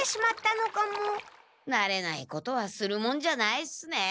なれないことはするもんじゃないっすね。